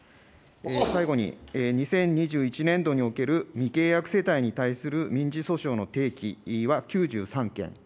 最後に２０２１年度における未契約世帯に対する民事訴訟の提起は９３件。